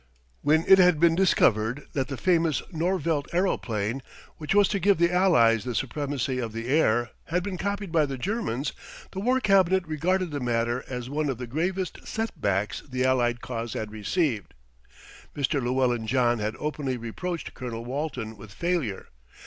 When it had been discovered that the famous Norvelt aeroplane, which was to give the Allies the supremacy of the air, had been copied by the Germans, the War Cabinet regarded the matter as one of the gravest setbacks the Allied cause had received. Mr. Llewellyn John had openly reproached Colonel Walton with failure.